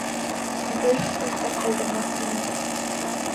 Бер штук та ҡалдырмаҫ инем.